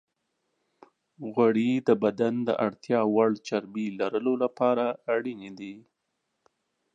غوړې د بدن د اړتیا وړ چربی لرلو لپاره اړینې دي.